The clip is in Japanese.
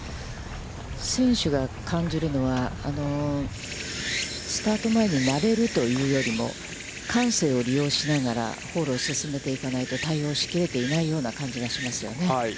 選手が感じるのは、スタート前に、なれるというよりも、感性を利用しながら、ホールを進めていかないと、対応しきれていないような感じがしますよね。